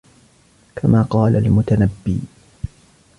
كَمَا قَالَ الْمُتَنَبِّي